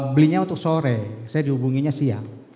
belinya untuk sore saya dihubunginya siang